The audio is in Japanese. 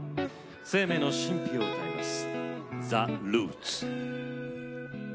生命の神秘を歌います。